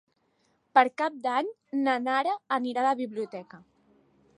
Per Cap d'Any na Nara anirà a la biblioteca.